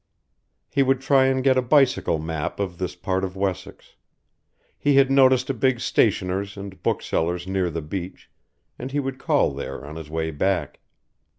He would try and get a bicycle map of this part of Wessex. He had noticed a big stationers' and book sellers' near the beach, and he would call there on his way back.